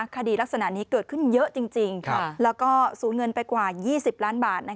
คดีลักษณะนี้เกิดขึ้นเยอะจริงแล้วก็สูญเงินไปกว่า๒๐ล้านบาท